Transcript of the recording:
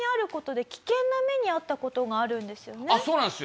あっそうなんです。